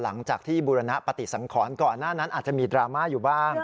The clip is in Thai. หลังจากที่บูรณปฏิสังขรก่อนหน้านั้นอาจจะมีดราม่าอยู่บ้าง